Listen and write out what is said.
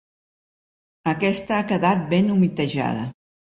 Aquesta ha quedat ben humitejada.